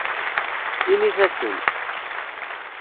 Init-asen.